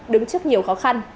đứng trước nhiều khó khăn